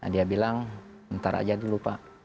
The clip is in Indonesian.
dia bilang ntar aja dulu pak